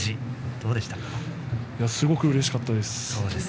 すごくうれしかったです。